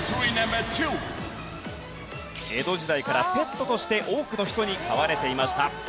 江戸時代からペットとして多くの人に飼われていました。